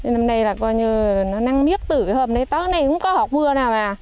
năm nay là coi như nó nắng miếc từ cái hầm này tới nay cũng có hộp mưa nào mà